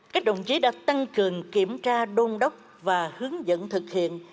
các đồng chí đã tăng cường kiểm tra đôn đốc và hướng dẫn thực hiện